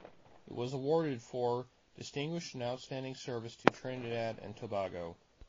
It was awarded for: distinguished and outstanding service to Trinidad and Tobago.